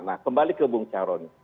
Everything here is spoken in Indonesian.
nah kembali ke bung cah rony